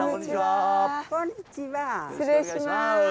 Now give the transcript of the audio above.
失礼します。